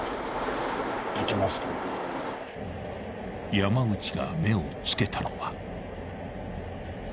［山内が目を付けたのは］